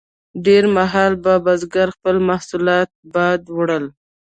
ډیر مهال به د بزګر خپل محصولات باد وړل.